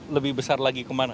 lebih besar lagi kemudian